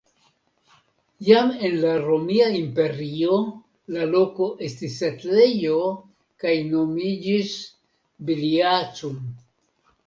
Jam en la romia imperio la loko estis setlejo kaj nomiĝis "Biliacum".